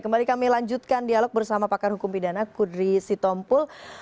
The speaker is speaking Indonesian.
kembali kami lanjutkan dialog bersama pakar hukum pidana kudri sitompul